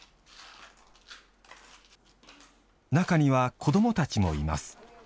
中には、子どもたちもいます。